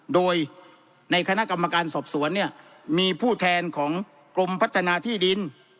โดยในคณะกรรมการสอบสวนเนี่ยมีผู้แทนของกรมพัฒนาที่ดิน